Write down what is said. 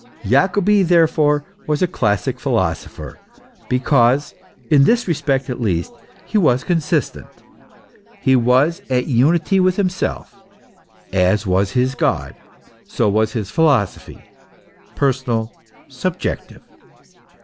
Jacobi therefore was a classic philosopher, be cause (in this respect, at least) he was consistent, he was at unity with himself; as was his God, so was his philosophy personal, subjective.